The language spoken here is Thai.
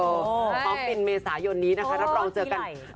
โอ้ใช่เขาบินเมษายนนี้นะคะถ้าพอเราเจอกันโอ้ทีไหล